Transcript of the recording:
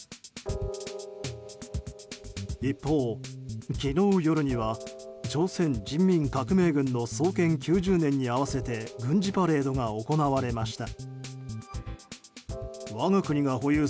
一方、昨日夜には朝鮮人民革命軍の創建９０年に合わせて軍事パレードが行われました。